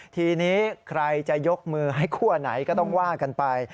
ทีนี้ใครจะยกมือให้คั่วไหนก็ต้องว่ากันไป